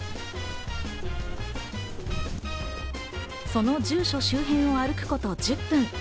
その住所周辺を歩くこと１０分。